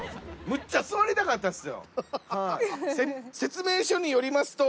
むっちゃ座りたかったっすよ！